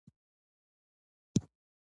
کتاب لوستل د انسان فکر پراخوي او پوهه زیاتوي